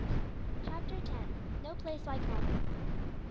CHAPTER X. "NO PLACE LIKE HOME."